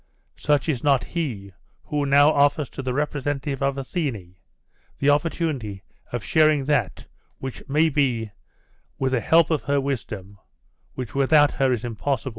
Such is not he who now offers to the representative of Athene the opportunity of sharing that which may be with the help of her wisdom, which without her is impossible.